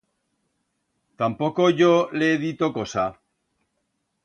Tampoco yo le he dito cosa.